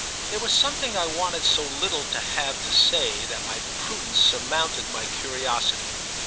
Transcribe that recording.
There was something I wanted so little to have to say that my prudence surmounted my curiosity.